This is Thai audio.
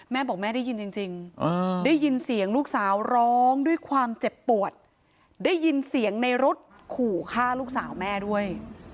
แม่บอกแม่ได้ยินจริงได้ยินเสียงลูกสาวร้องด้วยความเจ็บปวดได้ยินเสียงในรถขู่ฆ่าลูกสาวแม่ด้วย